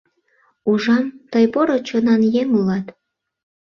Ужам, тый поро чонан еҥ улат.